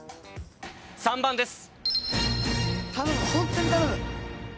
３番です。